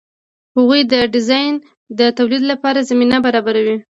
هغوی د ډیزاین د تولید لپاره زمینه برابروي.